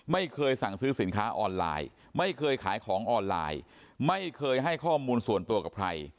ไม่เคยสั่งซื้อสินค้าออนไลน์ไม่เคยขายของออนไลน์ไม่เคยให้ข้อมูลส่วนตัวกับใคร